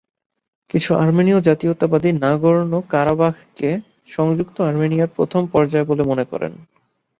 কিছু আর্মেনীয় জাতীয়তাবাদী নাগোর্নো-কারাবাখকে "সংযুক্ত আর্মেনিয়ার প্রথম পর্যায়" বলে মনে করেন।